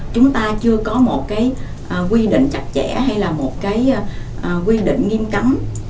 chúng ta chưa có một quy định chặt chẽ hay là một quy định nghiêm cấm